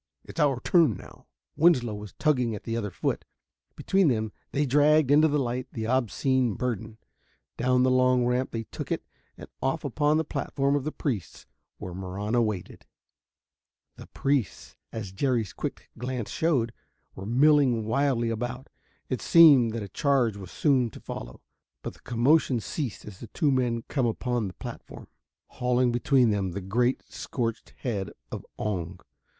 "It's our turn now." Winslow was tugging at the other foot. Between them they dragged into the light the obscene burden. Down the long ramp they took it and off upon the platform of the priests, where Marahna waited. The priests, as Jerry's quick glance showed, were milling wildly about. It seemed that a charge was soon to follow, but the commotion ceased as the two men come upon the platform, hauling between them the great scorched head of "Oong."